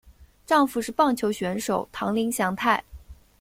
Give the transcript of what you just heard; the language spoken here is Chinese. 丈夫是棒球选手堂林翔太。